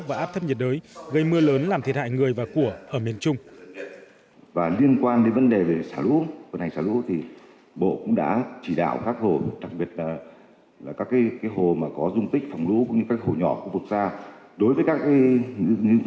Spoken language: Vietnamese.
và áp thấp nhiệt đới gây mưa lớn làm thiệt hại người và của ở miền trung